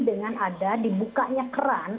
dengan ada dibukanya keran